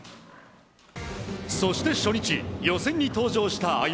そして初日予選に登場したＡＹＵＭＩ。